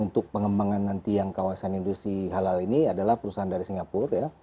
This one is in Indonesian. untuk pengembangan nanti yang kawasan industri halal ini adalah perusahaan dari singapura